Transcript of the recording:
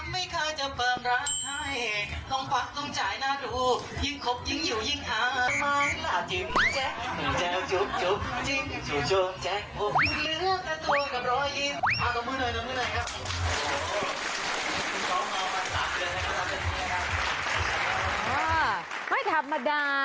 ไม่ธรรมดา